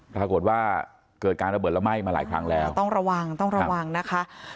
ปรากฏว่าเกิดการระเบิดแล้วไหม้มาหลายครั้งแล้วต้องระวังต้องระวังนะคะ